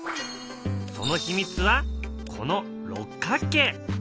その秘密はこの六角形。